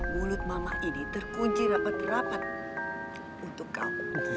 mulut mama ini terkunci rapat rapat untuk kau